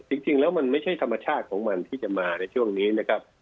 จริงแล้วมันไม่ใช่ธรรมชาติของมันที่จะมาในช่วงนี้นะครับ